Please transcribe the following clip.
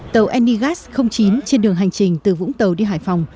tàu enigas chín trên đường hành trình từ vũng tàu đi hải phòng